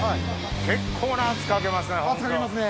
・結構な圧かけますね。